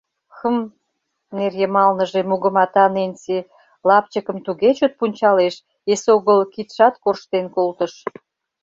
Хм! — нер йымалныже мугымата Ненси, лапчыкым туге чот пунчалеш, эсогыл кидшат корштен колтыш.